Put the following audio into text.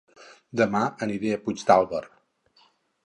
Dema aniré a Puigdàlber